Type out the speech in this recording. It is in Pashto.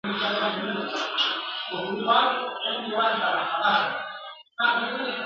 وروسته وار سو د غوايي د ښکر وهلو !.